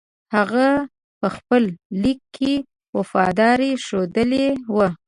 هغه په خپل لیک کې وفاداري ښودلې وه.